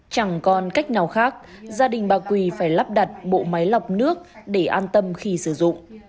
chẳng còn cách nào khác gia đình bà quỳ phải lắp đặt bộ máy lọc nước để an tâm khi sử dụng